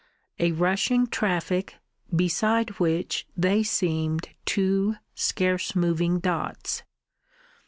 A rushing traffic, beside which they seemed two scarce moving dots.